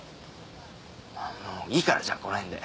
もういいからじゃあこのへんで。